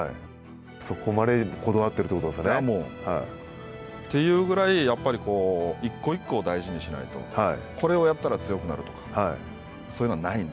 そこまでこだわってるということですね。というぐらい、１個１個を大事にしないとこれをやったら強くなるとか、そういうのはないので。